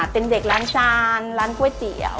เป็นเด็กล้างจานร้านก๋วยเตี๋ยว